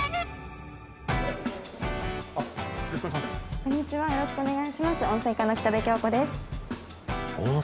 こんにちはよろしくお願いします。